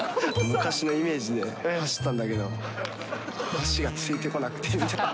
昔のイメージで走ったんだけど、足がついてこなくてみたいな。